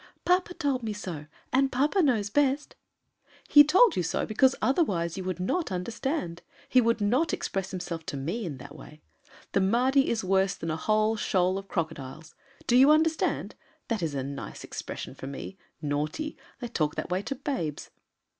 "Papa told me so and papa knows best." "He told you so because otherwise you would not understand. He would not express himself to me in that way. The Mahdi is worse than a whole shoal of crocodiles. Do you understand? That is a nice expression for me. 'Naughty!' They talk that way to babes."